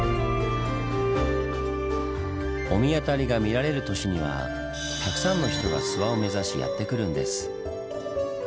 御神渡りが見られる年にはたくさんの人が諏訪を目指しやって来るんです。